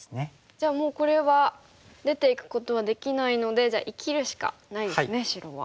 じゃあもうこれは出ていくことはできないので生きるしかないですね白は。